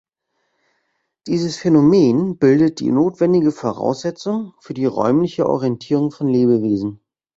Dieses Phänomen bildet die notwendige Voraussetzung für die räumliche Orientierung von Lebewesen.